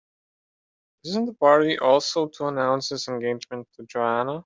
Isn't the party also to announce his engagement to Joanna?